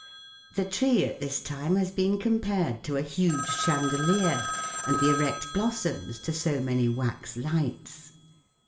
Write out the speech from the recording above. The tree at this time has been compared to a huge chandelier, and the erect blossoms to so many wax lights.